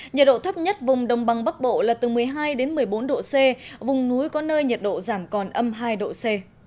nhiệt độ thấp nhất vùng đông băng bắc bộ là từ một mươi hai đến một mươi bốn độ c vùng núi có nơi nhiệt độ giảm còn âm hai độ c